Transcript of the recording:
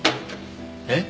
えっ！？